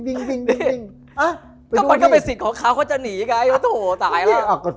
ก็มันก็เป็นสิทธิ์ของเค้าว่าจะหนีไงโถ่ตายละ